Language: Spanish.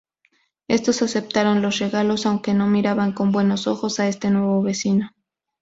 Estos aceptaron los regalos aunque no miraban con buenos ojos a este nuevo vecino.